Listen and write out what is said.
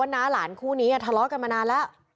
น้าหลานคู่นี้ทะเลาะกันมานานแล้ว